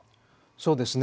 そうですね。